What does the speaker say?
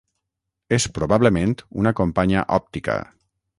És probablement una companya òptica.